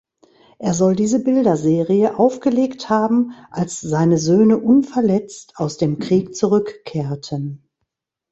Er soll diese Bilderserie aufgelegt haben, als seine Söhne unverletzt aus dem Krieg zurückkehrten.